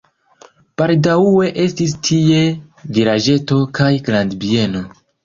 Baldaŭe estis tie vilaĝeto kaj grandbieno.